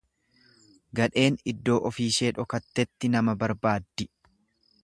Gadheen iddoo ofishee dhokattetti nama barbaaddi.